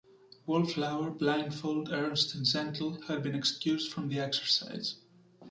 Wallflower, Blindfold, Ernst, and Gentle had been excused from the exercise.